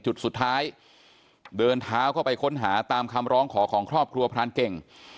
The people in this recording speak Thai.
จุดสุดท้ายเดินเท้าเข้าไปค้นหาตามคำร้องขอของครอบครัวพรานเก่ง